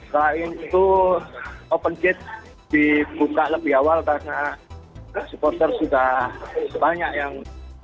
selain itu open gate dibuka lebih awal karena supporter sudah banyak yang